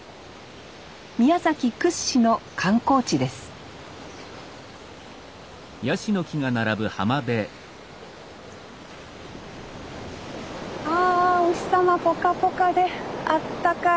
宮崎屈指の観光地ですあお日さまポカポカで暖かい。